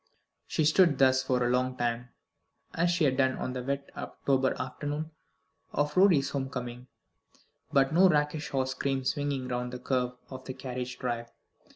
She stood thus for a long time, as she had done on that wet October afternoon of Rorie's home coming; but no rakish horse came swinging round the curve of the carriage drive.